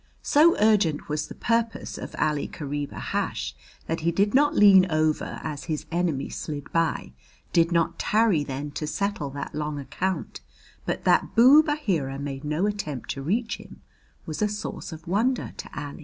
So urgent was the purpose of Ali Kareeb Ahash that he did not lean over as his enemy slid by, did not tarry then to settle that long account; but that Boob Aheera made no attempt to reach him was a source of wonder to Ali.